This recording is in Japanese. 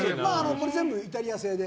これ、全部イタリア製で。